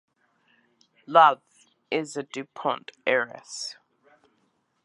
Love is a DuPont heiress.